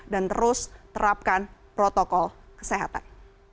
dan terus terapkan protokol kesehatan